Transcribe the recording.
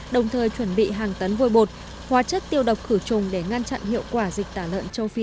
đồng thời chuẩn bị hàng tấn vôi bột hóa chất tiêu độc khử trùng để ngăn chặn hiệu quả dịch tả lợn châu phi